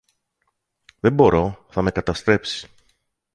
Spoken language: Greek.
Δεν μπορώ, θα με καταστρέψει